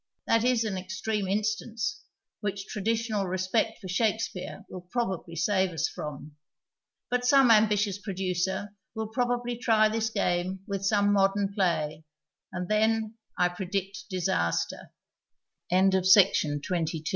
That is an extreme instance, which traditional respect for Shakespeare will probably save us from ; but some ambitious producer will probably try this game with some modem play, and then I predict d